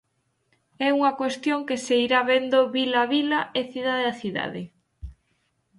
É unha cuestión que se irá vendo vila a vila e cidade a cidade.